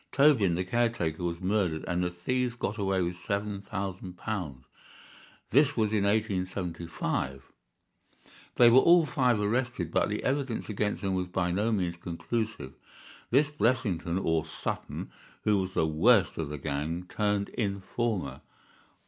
Tobin, the caretaker, was murdered, and the thieves got away with seven thousand pounds. This was in 1875. They were all five arrested, but the evidence against them was by no means conclusive. This Blessington or Sutton, who was the worst of the gang, turned informer.